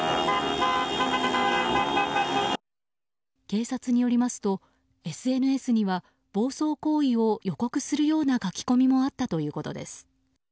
警察によりますと、ＳＮＳには暴走行為を予告するような書き込みもあったということです。